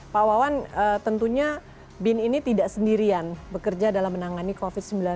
pak wawan tentunya bin ini tidak sendirian bekerja dalam menangani covid sembilan belas